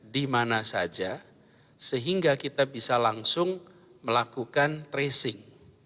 di mana saja sehingga kita bisa langsung melakukan tracing